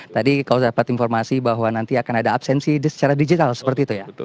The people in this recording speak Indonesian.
tadi kalau dapat informasi bahwa nanti akan ada absensi secara digital seperti itu ya